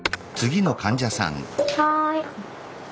はい。